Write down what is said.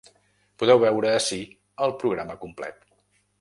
Podeu veure ací el programa complet.